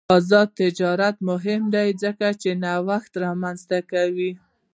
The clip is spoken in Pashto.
آزاد تجارت مهم دی ځکه چې نوښت رامنځته کوي.